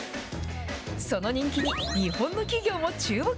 その人気に、日本の企業も注目。